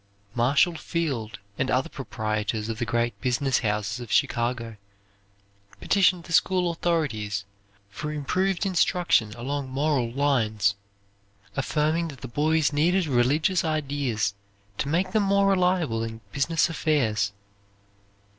Marshall Field and other proprietors of the great business houses of Chicago petitioned the school authorities for improved instruction along moral lines, affirming that the boys needed religious ideas to make them more reliable in business affairs.